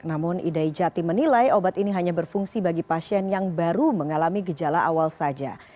namun idai jati menilai obat ini hanya berfungsi bagi pasien yang baru mengalami gejala awal saja